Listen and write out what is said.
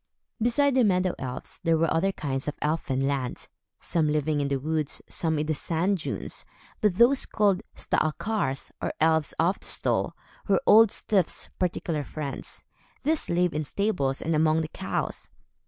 Beside the meadow elves, there were other kinds in Elfin Land; some living in the woods, some in the sand dunes, but those called Staalkaars, or elves of the stall, were Old Styf's particular friends. These lived in stables and among the cows.